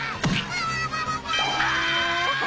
うわ！